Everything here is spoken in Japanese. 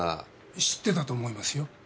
知ってたと思いますよ。